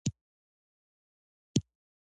جګړه د کلتور دښمنه ده